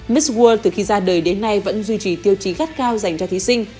miss world từ khi ra đời đến nay vẫn duy trì tiêu chí gắt cao dành cho thí sinh